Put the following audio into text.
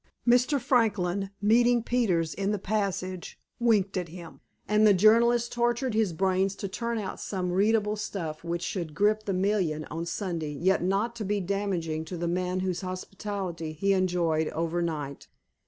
Mr. Franklin, meeting Peters in the passage, winked at him, and the journalist tortured his brains to turn out some readable stuff which should grip the million on Sunday yet not to be damaging to the man whose hospitality he enjoyed over night.